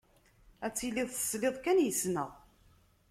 Ad tiliḍ tesliḍ kan yes-sneɣ.